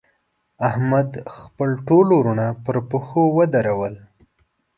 احمد؛ خپل ټول وروڼه پر پښو ودرول.